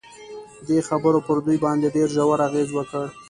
دې خبرو پر دوی باندې ډېر ژور اغېز وکړ